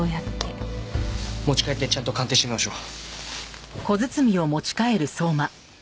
持ち帰ってちゃんと鑑定してみましょう。